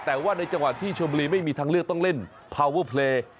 แต่ว่าในจังหวัดที่ชมบุรีไม่มีทางเลือกต้องเล่นพาวเวอร์เพลย์